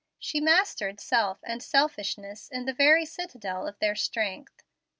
She mastered self and selfishness, in the very citadel of their strength.